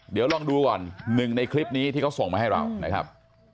เดี๋ยวลองดูก่อนหนึ่งในคลิปนี้ที่เขาส่งมาให้เรานะครับ